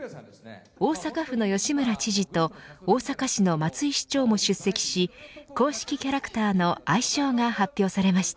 大阪府の吉村知事と大阪市の松井市長も出席し公式キャラクターの愛称が発表します。